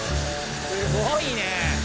すごいね！